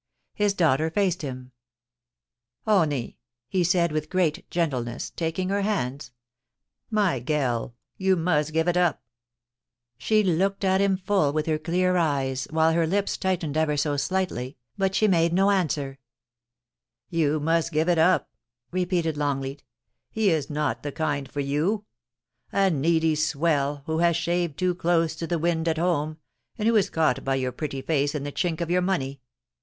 His daughter faced him, * Honie,' he said with great gentleness, taking her hands, * my gell, you must gev it up !* She looked at him full with her clear eyes, while her lips tightened ever so slightly, but she made no answer. BARRINGTON A REJECTED SUITOR. 255 * You must gev it up/ repeated LongleaL * He is not the kind for you. A needy swell, who has shaved too close to the wind at home, and who is caught by your pretty face and the chink of your money.